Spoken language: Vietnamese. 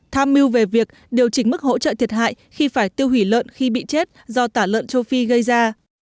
tham mưu về việc điều chỉnh mức hỗ trợ thiệt hại khi phải tiêu hủy lợn khi bị chết do tả lợn châu phi gây ra